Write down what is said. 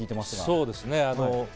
そうですね。